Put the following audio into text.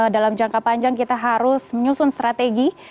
dalam jangka panjang kita harus menyusun strategi